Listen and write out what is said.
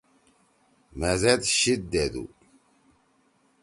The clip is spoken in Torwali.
مھے زید شیِد دیدُو۔